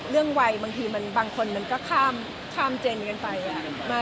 เรื่องวัยบางทีมันบางคนมันก็ข้ามเจนกันไปอ่ะ